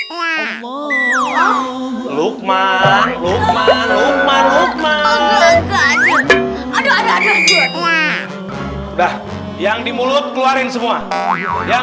lukman lukman lukman lukman lukman udah yang di mulut keluarin semua yang